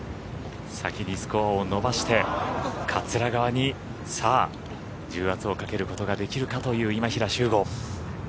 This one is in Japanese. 先にスコアを伸ばして桂川にさあ、重圧をかけることができるかという今平周吾。